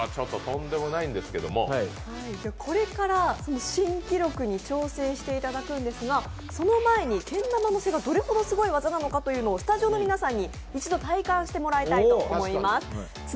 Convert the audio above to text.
これから新記録に挑戦していただくんですが、その前にけん玉のせがどのくらいすごい技なのかスタジオの皆さんに一度体感してもらいたいと思います。